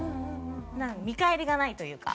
見返りがないというか。